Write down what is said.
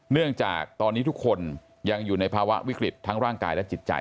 เนื่องจากตอนนี้ทุกคนยังอยู่ในภาวะวิกฤตทั้งร่างกายและจิตใจ